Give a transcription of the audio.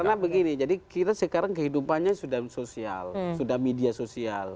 karena begini jadi kita sekarang kehidupannya sudah sosial sudah media sosial